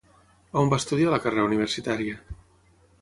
On va estudiar la carrera universitària?